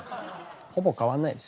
ほぼ変わんないです。